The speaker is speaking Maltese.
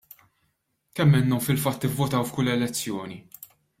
Kemm minnhom fil-fatt ivvotaw f'kull elezzjoni?